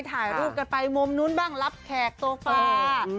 ถ่ายรูปกันไปมุมนู้นบ้างรับแขกโซฟา